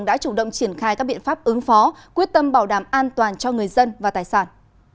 đã chủ động triển khai các biện pháp ứng phó quyết tâm bảo đảm an toàn cho người dân và tài sản